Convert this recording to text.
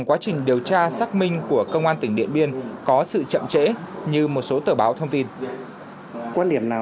quá trình điều tra xác minh của công an tỉnh điện biên có sự chậm trễ như một số tờ báo thông tin